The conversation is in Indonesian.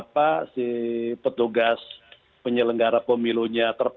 nah ini juga bisa diterima oleh kpu kpu di kabupaten